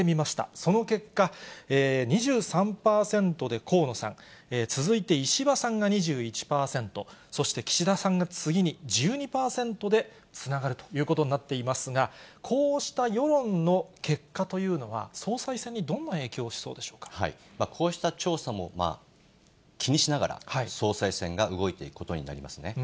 その結果、２３％で河野さん、続いて石破さんが２１％、そして、岸田さんが次に１２％でつながるということになっていますが、こうした世論の結果というのは、総裁選にどんな影響をしそうでしこうした調査も気にしながら、総裁選が動いていくことになりますね。